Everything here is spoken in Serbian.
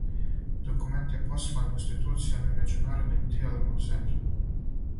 Документ је послан институцијама и меđународним тијелима у земљи.